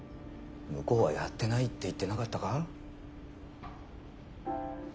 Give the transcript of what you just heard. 向こうはやってないって言ってなかったか？